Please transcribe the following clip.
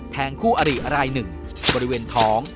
แทงคู่อริอราย๑บริเวณท้อง